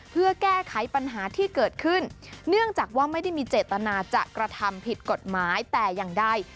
เพื่อแก้ไขปัญหาที่เกิดขึ้นเนื่องจากว่าไม่ได้มีเจตนาจะกระทำผิดกฎหมายแต่อย่างใด